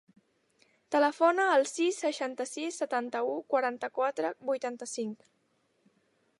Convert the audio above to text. Telefona al sis, seixanta-sis, setanta-u, quaranta-quatre, vuitanta-cinc.